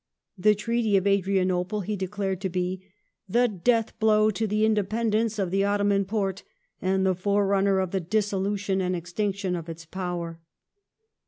The Treaty . of Adrianople he declared to be *' the death blow to the indepen dence of the Ottoman Porte, and the forerunner of the dissolution and extinction of its power